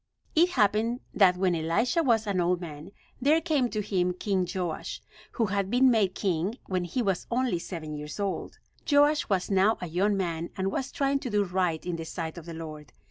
It happened that when Elisha was an old man there can to him King Joash, who had been made king when he was only seven years old. Joash was now a young man and was trying to do right in the sight of the Lord.